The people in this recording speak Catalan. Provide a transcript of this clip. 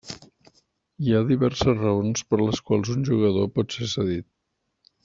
Hi ha diverses raons per les quals un jugador pot ser cedit.